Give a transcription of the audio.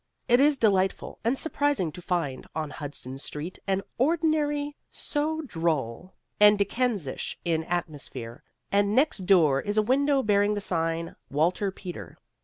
It is delightful and surprising to find on Hudson Street an ordinary so droll and Dickensish in atmosphere, and next door is a window bearing the sign WALTER PETER.